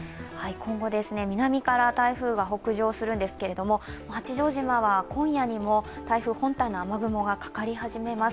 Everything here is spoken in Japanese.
今後、南から台風が北上するんですけれども、八丈島は今夜にも台風本体の雨雲がかかり始めます。